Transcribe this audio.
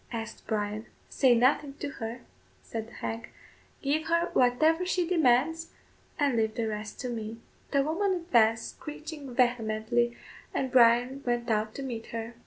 asked Bryan. "Say nothing to her," said the hag; "give her whatever she demands, and leave the rest to me." The woman advanced screeching vehemently, and Bryan went out to meet her.